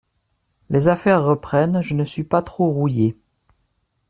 les affaires reprennent, je ne suis pas trop rouillé.